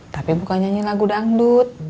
tapi bukan nyanyi lagu dangdut